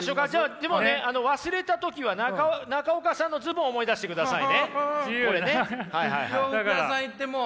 でもね忘れた時は中岡さんのズボン思い出してくださいねこれね。